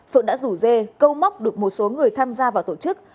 phượng đã rủ dê câu móc được một số người tham gia vào tổ chức